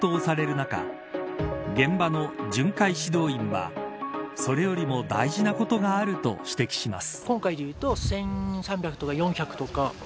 中現場の巡回指導員はそれよりも大事なことがあると指摘します。